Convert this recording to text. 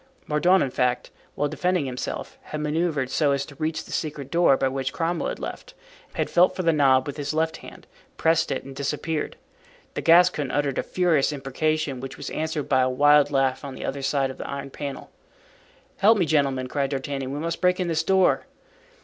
Mordaunt, in fact, while defending himself, had manoeuvred so as to reach the secret door by which Cromwell had left, had felt for the knob with his left hand, pressed it and disappeared. The Gascon uttered a furious imprecation, which was answered by a wild laugh on the other side of the iron panel. "Help me, gentlemen," cried D'Artagnan, "we must break in this door."